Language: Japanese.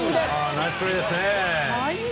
ナイスプレーですね。